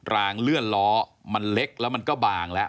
รางเลื่อนล้อมันเล็กแล้วมันก็บางแล้ว